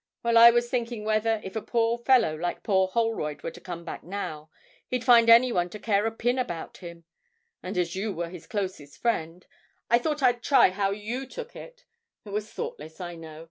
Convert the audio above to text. Well, I was thinking whether, if a fellow like poor Holroyd were to come back now, he'd find anyone to care a pin about him, and, as you were his closest friend, I thought I'd try how you took it. It was thoughtless, I know.